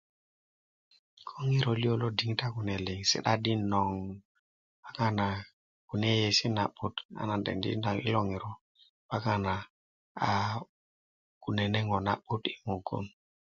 ko ŋero lio lo diŋitan kune liŋ si'da di nong kana kune yeyiyesi na'but 'bayin a nan de dendi i lo ŋero 'bakan na nene ŋo na'but i mugun